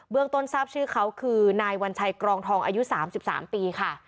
ต้นทราบชื่อเขาคือนายวัญชัยกรองทองอายุ๓๓ปีค่ะ